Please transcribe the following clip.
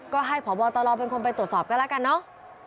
ก็ให้พบตรเป็นคนไปตรวจสอบกันแล้วกันเนอะ